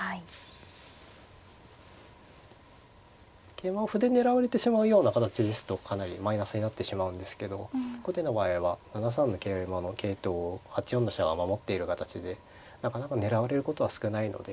桂馬を歩で狙われてしまうような形ですとかなりマイナスになってしまうんですけど後手の場合は７三の桂馬の桂頭を８四の飛車が守っている形でなかなか狙われることは少ないので。